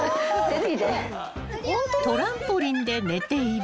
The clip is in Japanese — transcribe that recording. ［トランポリンで寝ている］